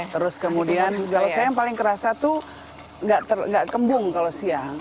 terus kemudian kalau saya yang paling kerasa tuh nggak kembung kalau siang